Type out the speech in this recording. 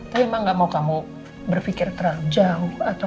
tapi mama gak mau kamu berpikir terlalu jauh atau